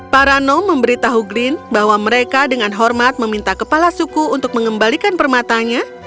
para nom memberitahu glenn bahwa mereka dengan hormat meminta kepala suku untuk mengembalikan permatanya